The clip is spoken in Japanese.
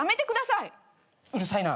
うるさいな。